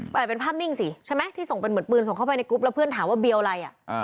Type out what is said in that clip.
แต่เป็นภาพนิ่งสิใช่ไหมที่ส่งเป็นเหมือนปืนส่งเข้าไปในกรุ๊ปแล้วเพื่อนถามว่าเบียวอะไรอ่ะ